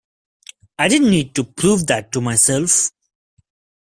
I didn't need to prove that to myself.